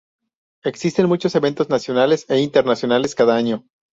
Existen muchos eventos nacionales e internacionales cada año.